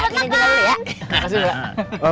dadah sempet makan